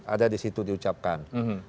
ada disitu diucapkan